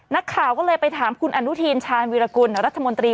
นักข่าวก็เลยไปถามคุณอนุทินชาญวิรากุลรัฐมนตรี